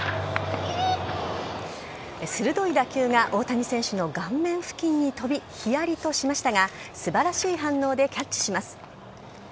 鋭い打球が大谷選手の顔面付近に飛びひやりとしましたが素晴らしい反応でキャッチします。